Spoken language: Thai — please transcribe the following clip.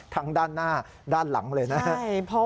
ทางด้านหน้าด้านหลังเลยนะครับ